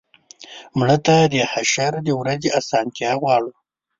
مړه ته د حشر د ورځې آسانتیا غواړو